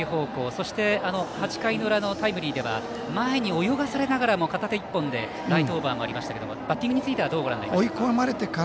そして、８回裏のタイムリーでは前に泳がされながらも片手１本でライトオーバーもありましたがバッティングについてはどうご覧になりましたか。